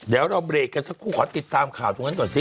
เดี๋ยวเราเบรกกันสักครู่ขอติดตามข่าวตรงนั้นก่อนสิ